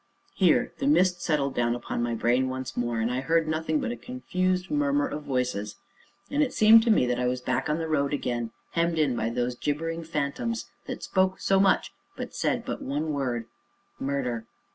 Here the mist settled down upon my brain once more, and I heard nothing but a confused murmur of voices, and it seemed to me that I was back on the road again, hemmed in by those gibbering phantoms that spoke so much, and yet said but one word: "Murder."